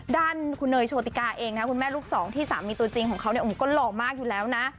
ด้านคุณเนยโชติกาเองนะคุณแม่ลูกสองที่สามีตัวจริงของเขาก็หล่อมากอยู่แล้วนะ